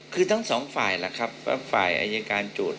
คือทั้งสองฝ่ายล่ะครับว่าฝ่ายอายการโจทย์